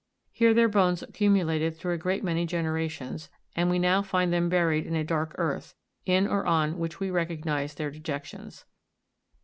Here their bones accumulated through a great many generations, and we now find them buried in a dark earth, in or on which we recognise their dejections.